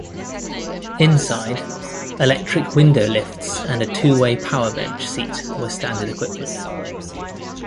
Inside, electric window lifts and a two-way power bench seat were standard equipment.